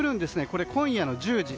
これ、今夜の１０時。